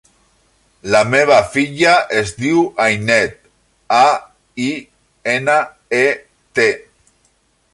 La meva filla es diu Ainet: a, i, ena, e, te.